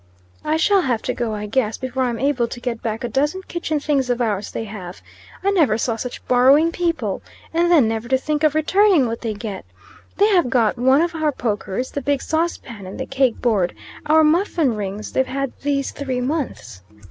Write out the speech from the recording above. "I shall have to go, I guess, before I'm able to get back a dozen kitchen things of ours they have. I never saw such borrowing people. And then, never to think of returning what they get. They have got one of our pokers, the big sauce pan and the cake board. Our muffin rings they've had these three months.